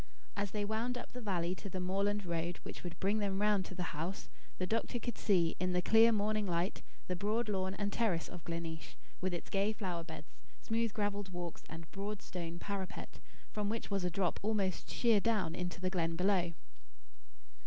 As they wound up the valley to the moorland road which would bring them round to the house, the doctor could see, in the clear morning light, the broad lawn and terrace of Gleneesh, with its gay flower beds, smooth gravelled walks, and broad stone parapet, from which was a drop almost sheer down into the glen below.